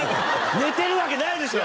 寝てるわけないでしょ！